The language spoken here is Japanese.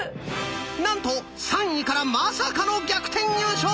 なんと３位からまさかの逆転優勝です！